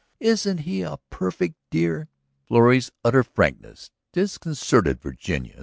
Isn't he a perfect dear?" Florrie's utter frankness disconcerted Virginia.